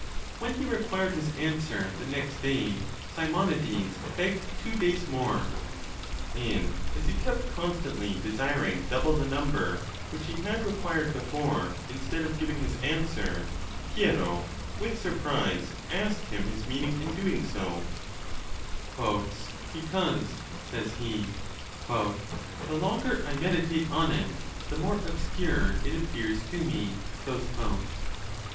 When he required his answer the next day, Simonides begged two days more ; and as he kept constantly desiring double the number which he had requii'cd before instead of giving his answer, Hiero, with surprise, asked him his meaning in doing so :" Because," says he, " the longer I meditate on it, the more obscure it appears to me."